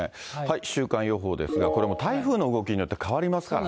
週間予報ですが、これも台風の動きによって変わりますからね。